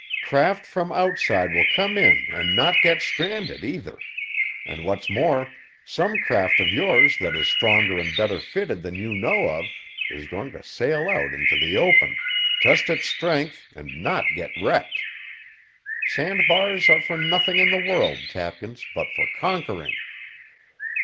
Craft from outside will come in and not get stranded, either; and what's more, some craft of yours that is stronger and better fitted than you know of is going to sail out into the open, test its strength and not get wrecked! Sand bars are for nothing in the world, Tapkins, but for conquering.